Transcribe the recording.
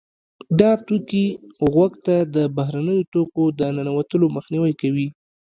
دا توکي غوږ ته د بهرنیو توکو د ننوتلو مخنیوی کوي.